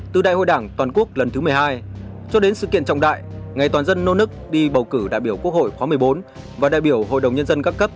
từ đại hội đảng toàn quốc lần thứ một mươi hai cho đến sự kiện trọng đại ngày toàn dân nô nức đi bầu cử đại biểu quốc hội khóa một mươi bốn và đại biểu hội đồng nhân dân các cấp